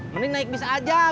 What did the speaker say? mending naik bis aja bu